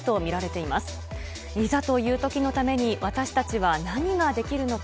いざというときのために私たちは何ができるのか。